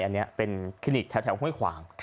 อันนี้เป็นคลินิกแถวห้วยขวาง